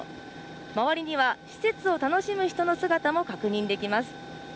周りには施設を楽しむ人の姿も確認できます。